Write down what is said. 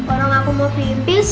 orang aku mau pimpis